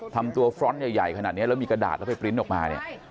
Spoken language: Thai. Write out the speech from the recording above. ทำตัวฟรอนต์ใหญ่ขนาดนี้แล้วมีกระดาษแล้วไปปริ้นต์ออกมาเนี่ย